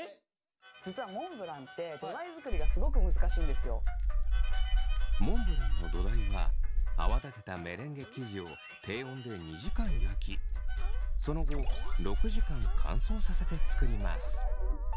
実はモンブランってモンブランの土台は泡立てたメレンゲ生地を低温で２時間焼きその後６時間乾燥させて作ります。